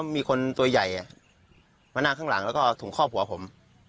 มีคนตัวใหญ่มานั่งข้างหลังแล้วตุ่งข้อพวกผม